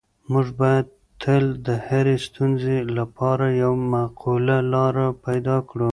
موږ باید تل د هرې ستونزې لپاره یوه معقوله لاره پیدا کړو.